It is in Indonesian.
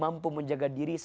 maka dia bisa menjaga diri